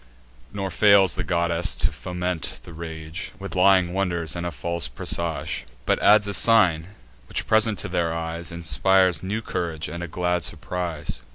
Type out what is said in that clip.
Nor fails the goddess to foment the rage With lying wonders, and a false presage; But adds a sign, which, present to their eyes, Inspires new courage, and a glad surprise.